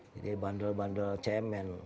jadi bandel bandel cemen